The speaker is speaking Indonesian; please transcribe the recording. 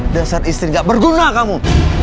dasar istri gak berguna kamu